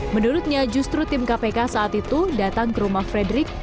menurutnya justru tim kpk saat itu datang ke rumah frederick